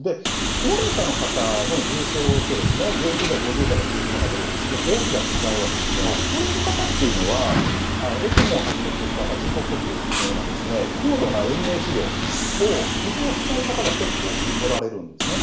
高齢者の方の重症と、４０代、５０代の重症の方と大きな違いは、高齢の方っていうのは、ＥＣＭＯをはじめとした人工呼吸器のような高度な延命治療を希望しない方が結構おられるんですね。